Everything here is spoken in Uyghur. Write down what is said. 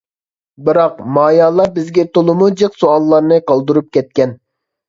بىراق، مايالار بىزگە تولىمۇ جىق سوئاللارنى قالدۇرۇپ كەتكەن.